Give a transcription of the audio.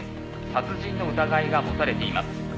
殺人の疑いが持たれています」